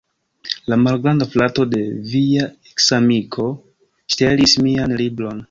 La malgranda frato de via eksamiko ŝtelis mian libron